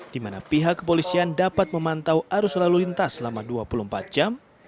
di mana pihak kepolisian dapat memantau arus lalu lintas selama dua puluh empat jam